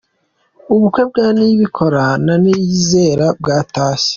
Ubukwe bwa Niyibikora na Niyonizera bwatashye!.